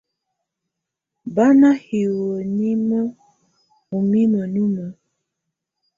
Bà nà hiwǝ́ nimǝ́ ù mimǝ́ numǝ́.